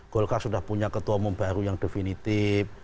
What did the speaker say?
golkar sudah punya ketua umum baru yang definitif